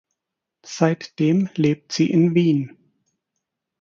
Seitdem lebt sie in Wien.